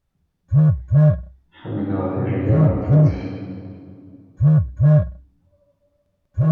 Ḥemmleɣ tuccga ɣef wedfel.